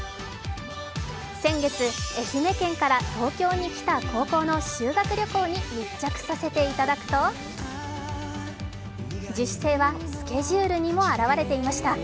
先月、愛媛県から東京に来た高校の修学旅行に密着させていただくと自主性はスケジュールにも表れていました。